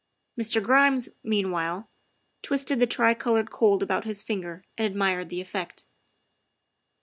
Mr. Grimes, meanwhile, twisted the tri colored cord about his finger and admired the effect.